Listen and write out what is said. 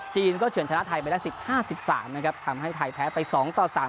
จีนก็เฉินชนะไทยไปละสิบห้าสิบสามนะครับทำให้ไทยแพ้ไปสองต่อสาม